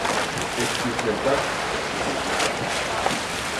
If she slips up, she slips up.